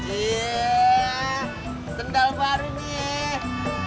iya sendal baru nih